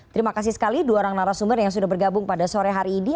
terima kasih sekali dua orang narasumber yang sudah bergabung pada sore hari ini